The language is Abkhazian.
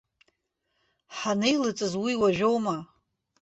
Ҳанеилыҵыз уи уажәоума.